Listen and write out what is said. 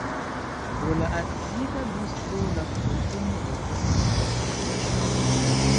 Pro la acida gusto la frukto ne estas manĝata freŝe.